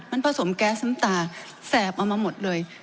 มันผสมแก๊สน้ำตาแสบเอามาหมดเลย